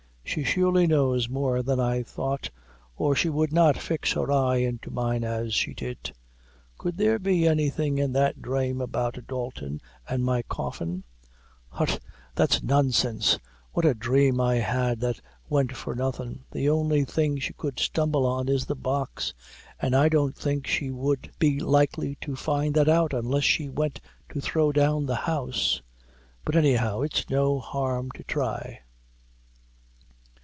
She surely knows more than I thought, or she would not fix her eye into mine as she did. Could there be anything in that dhrame about Dalton an' my coffin? Hut! that's nonsense. Many a dhrame I had that went for nothin'. The only thing she could stumble on is the Box, an' I don't think she would be likely to find that out, unless she went to throw down the house; but, anyhow, it's no harm to thry."